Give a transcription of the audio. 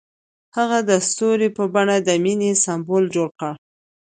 هغه د ستوري په بڼه د مینې سمبول جوړ کړ.